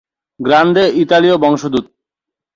Grande ইতালীয় বংশোদ্ভূত।